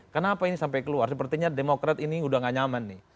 kenapa ini sampai keluar sepertinya demokrat ini udah gak nyaman nih